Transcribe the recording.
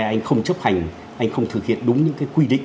anh không chấp hành anh không thực hiện đúng những cái quy định